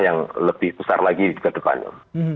yang lebih besar lagi ke depannya